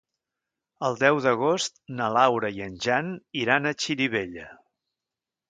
El deu d'agost na Laura i en Jan iran a Xirivella.